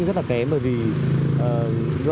rất là kém bởi vì